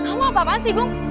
kamu apa apa sih gung